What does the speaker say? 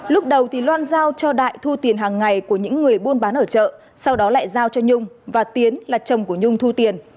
lúc đầu loan giao cho đại thu tiền hàng ngày của những người buôn bán ở chợ sau đó lại giao cho nhung và tiến là chồng của nhung thu tiền